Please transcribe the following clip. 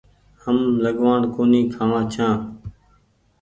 هم لڳوآڻ ڪونيٚ کآوآن ڇآن